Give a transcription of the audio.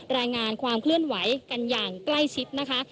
รายงานความเคลื่อนไหวกันอย่างใกล้ชิดนะคะ